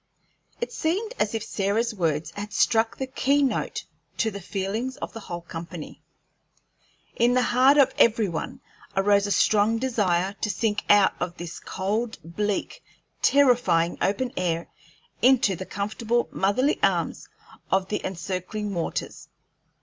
It seemed as if Sarah's words had struck the key note to the feelings of the whole company. In the heart of every one arose a strong desire to sink out of this cold, bleak, terrifying open air into the comfortable motherly arms of the encircling waters.